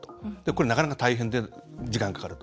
これはなかなか大変で時間がかかる。